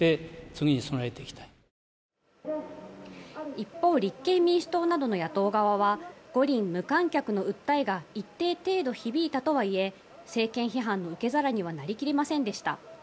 一方立憲民主党などの野党側は五輪無観客の訴えが一定程度響いたとはいえ政権批判の受け皿にはなり切りませんでした。